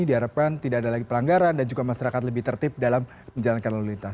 diharapkan tidak ada lagi pelanggaran dan juga masyarakat lebih tertib dalam menjalankan lalu lintas